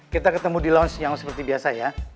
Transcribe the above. kita ketemu di launch yang seperti biasa ya